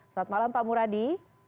selamat malam pak muradi